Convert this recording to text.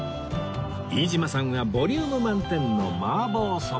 飯島さんはボリューム満点の麻婆そば